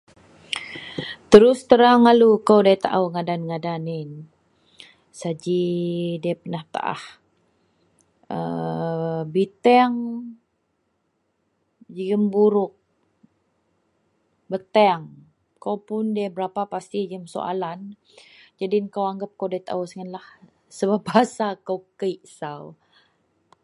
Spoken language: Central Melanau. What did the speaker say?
Terus terang lalu kou nda taou ngadan-ngadan yin. Saji nda penah petaah .. aaa… Biteang jegem buruk, beteang, akou pun nda berapa pasti jegem soalan. Jadin akou anggap akou nda taou singenlah sebab bahasa kou kek sau.